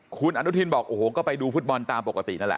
คุณอนุทินบอกโอ้โหก็ไปดูฟุตบอลตามปกตินั่นแหละ